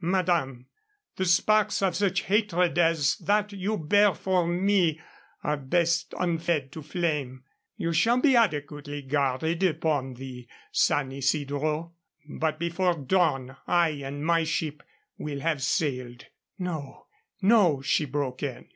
"Madame, the sparks of such hatred as that you bear for me are best unfed to flame. You shall be adequately guarded upon the San Isidro. But before dawn I and my ship will have sailed " "No, no," she broke in.